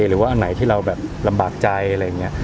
หรือว่าอันไหนที่เราแบบลำบากใจอะไรอย่างนี้